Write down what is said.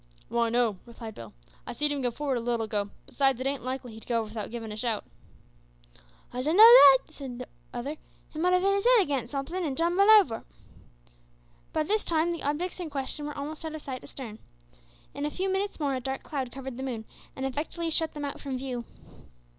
"Why no," replied Bill; "I seed him go forward a little ago; besides it ain't likely he'd go over without givin' a shout." "I dun know that," said the other; "he might have hit his head again' somethin' in tumblin' over." By this time the objects in question were almost out of sight astern. In a few minutes more a dark cloud covered the moon and effectually shut them out from view.